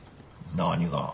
何が？